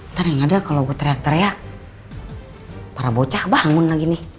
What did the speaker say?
ntar yang ada kalau gue teriak teriak para bocah bangun lagi nih